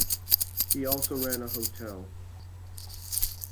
He also ran a hotel.